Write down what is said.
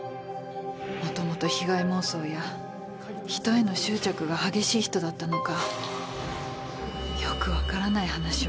もともと被害妄想や人への執着が激しい人だったのかよく分からない話を繰り返してたの。